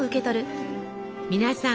皆さん